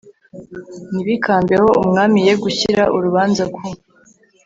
ntibikambeho umwami ye gushyira urubanza ku